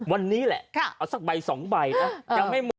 วันนี้แหละเอาสักใบ๒ใบนะ